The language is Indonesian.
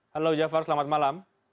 halo jafar selamat malam